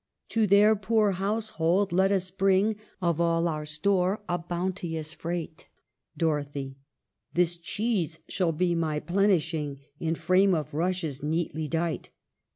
To their poor household let us bring Of all our store a bounteous freight. Dorothy. This cheese shall be my plenishing, In frame of rushes neatly dight.